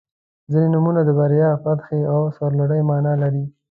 • ځینې نومونه د بریا، فتحې او سرلوړۍ معنا لري.